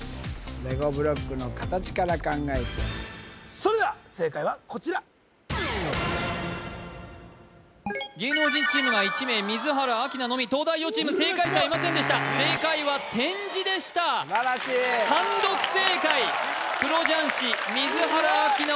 レゴブロックの形から考えてそれでは正解はこちら芸能人チームが１名瑞原明奈のみ東大王チーム正解者いませんでした正解は点字でした素晴らしい単独正解プロ雀士瑞原明奈